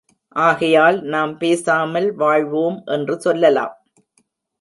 ஆகையால், நாம் பேசாமல் வாழ்வோம் என்று சொல்லலாம்.